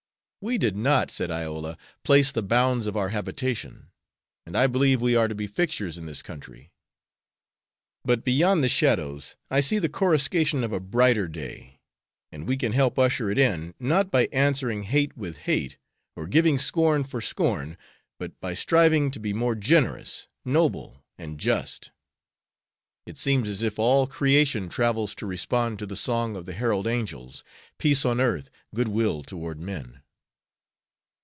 "We did not," said Iola, "place the bounds of our habitation. And I believe we are to be fixtures in this country. But beyond the shadows I see the coruscation of a brighter day; and we can help usher it in, not by answering hate with hate, or giving scorn for scorn, but by striving to be more generous, noble, and just. It seems as if all creation travels to respond to the song of the Herald angels, 'Peace on earth, good will toward men.'"